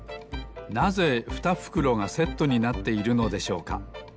なぜ２ふくろがセットになっているのでしょうか？